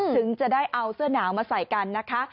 ถึงจะได้เอาเสื้อหนาวมาใส่กันนะคะ